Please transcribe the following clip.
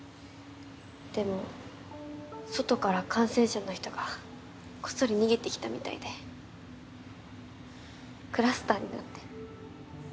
でも外から感染者の人がこっそり逃げてきたみたいでクラスターになって。